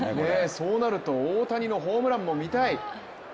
そうなると大谷のホームランも見たい。